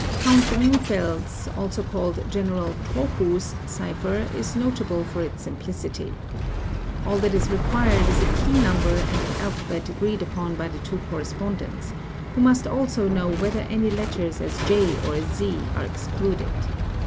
Count Gronfeld's, also called General T''rochu's, cipher is notable r its simplicity. All that is required is a key number and an alphabet agreed upon by the two correspondents, who must also know whether any letters as j or z are excluded.